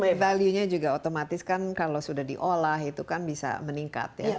karena value nya juga otomatis kan kalau sudah diolah itu kan bisa meningkat